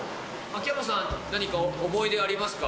秋山さん、何か思い出ありますか？